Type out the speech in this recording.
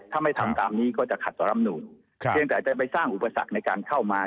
ถ้าไม่ทำตามนี้ก็จะขัดต่อรำนูนเพียงแต่จะไปสร้างอุปสรรคในการเข้ามา